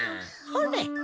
ほれ。